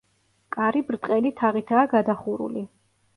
კარი ბრტყელი თაღითაა გადახურული.